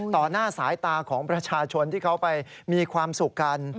หน้าสายตาของประชาชนที่เขาไปมีความสุขกัน